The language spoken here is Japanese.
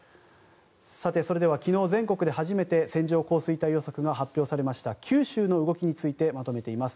さて、それでは昨日全国で初めて線状降水帯予測が発表されました九州の動きについてまとめています。